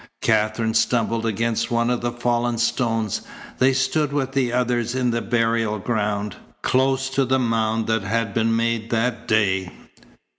Katherine stumbled against one of the fallen stones. They stood with the others in the burial ground, close to the mound that had been made that day.